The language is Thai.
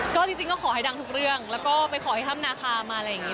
ก็จริงก็ขอให้ดังทุกเรื่องแล้วก็ไปขอให้ถ้ำนาคามาอะไรอย่างนี้